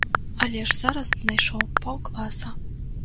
Але ж зараз знайшоў паўкласа!